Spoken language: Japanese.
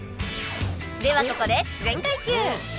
ではここで「全開 Ｑ」